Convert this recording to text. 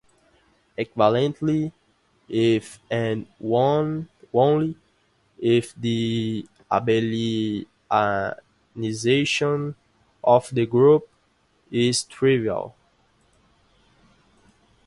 Equivalently, if and only if the abelianization of the group is trivial.